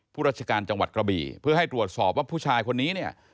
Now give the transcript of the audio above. ราชการจังหวัดกระบี่เพื่อให้ตรวจสอบว่าผู้ชายคนนี้เนี่ย